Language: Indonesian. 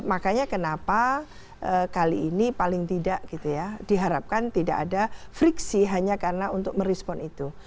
makanya kenapa kali ini paling tidak gitu ya diharapkan tidak ada friksi hanya karena untuk merespon itu